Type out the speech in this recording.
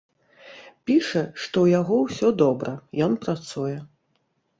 Піша, што ў яго ўсё добра, ён працуе.